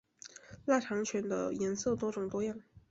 腊肠犬的颜色多种多样。